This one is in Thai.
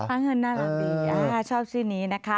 เงินน่ารักดีชอบชื่อนี้นะคะ